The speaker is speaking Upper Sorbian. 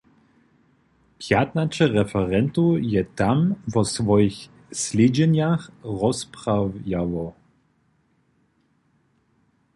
Pjatnaće referentow je tam wo swojich slědźenjach rozprawjało.